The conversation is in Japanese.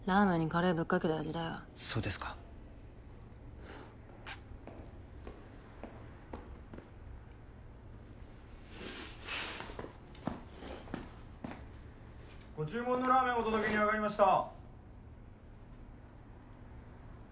・コツコツコツご注文のラーメンお届けに上がりました。